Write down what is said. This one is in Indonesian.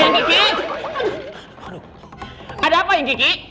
aduh ada apa yang kiki